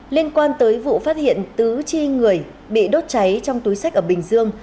liên quan tới vụ phát hiện tứ chi người bị đốt cháy trong túi sách ở bình dương